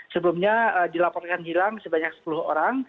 sebelumnya dilaporkan hilang sebanyak sepuluh orang